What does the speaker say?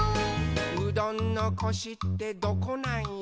「うどんのコシってどこなんよ？」